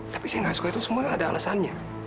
tapi saya nggak suka itu semua ada alasannya